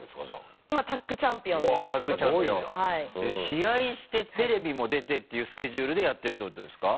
試合してテレビも出てっていうスケジュールでやってるってことですか？